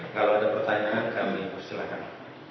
kalau ada pertanyaan kami persilahkan